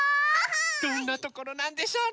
どんなところなんでしょうね？